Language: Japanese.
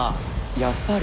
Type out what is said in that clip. やっぱり？